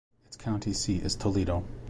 Its county seat is Toledo.